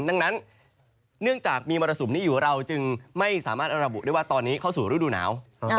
ดังนั้นเนื่องจากมีมรสุมนี้อยู่เราจึงไม่สามารถระบุได้ว่าตอนนี้เข้าสู่ฤดูหนาว